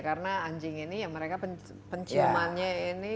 karena anjing ini yang mereka penciumannya ini